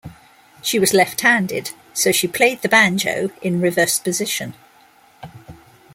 She was left-handed, so she played the banjo in reverse position.